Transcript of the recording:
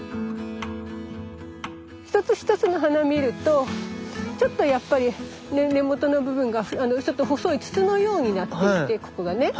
一つ一つの花見るとちょっとやっぱり根元の部分がちょっと細い筒のようになっていてここがね。